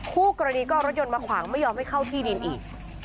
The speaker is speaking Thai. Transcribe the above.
คู่กรณีก็เอารถยนต์มาขวางไม่ยอมให้เข้าที่ดินอีก